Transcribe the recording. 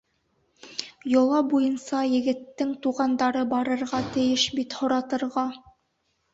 Йола буйынса егеттең туғандары барырға тейеш бит һоратырға.